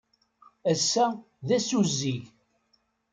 Ass-a d ass uzzig.